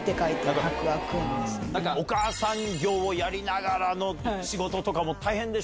お母さん業をやりながらの仕事とかも大変でしょ？